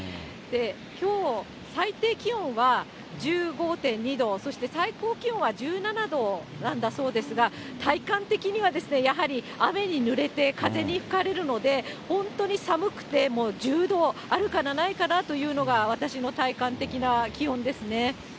きょう、最低気温は１５．２度、そして最高気温は１７度なんだそうですが、体感的にはですね、やはり雨にぬれて風に吹かれるので、本当に寒くて、もう１０度あるかな、ないかなというのが、私の体感的な気温ですね。